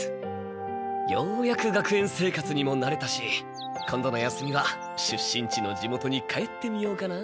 ようやく学園生活にもなれたし今度の休みは出身地の地元に帰ってみようかな。